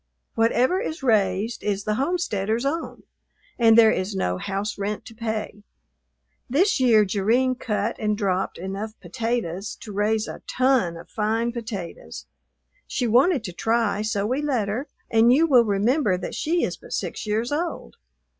Whatever is raised is the homesteader's own, and there is no house rent to pay. This year Jerrine cut and dropped enough potatoes to raise a ton of fine potatoes. She wanted to try, so we let her, and you will remember that she is but six years old.